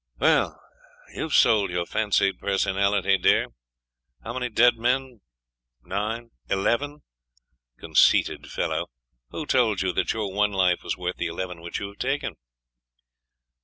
'Well! you have sold your fancied personality dear! How many dead men?.... Nine.... Eleven! Conceited fellow! Who told you that your one life was worth the eleven which you have taken?